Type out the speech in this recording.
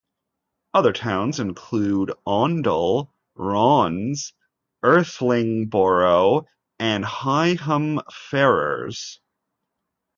Other towns include Oundle, Raunds, Irthlingborough and Higham Ferrers.